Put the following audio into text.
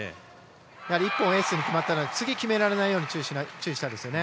１本エースに決まったら次、決まらないように注意したいですね。